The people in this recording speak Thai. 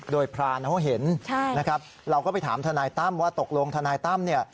โดยพรานเขาเห็นนะครับเราก็ไปถามทนายตั้มว่าตกลงทนายตั้มเนี่ย